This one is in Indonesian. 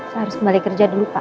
saya harus kembali kerja dulu pak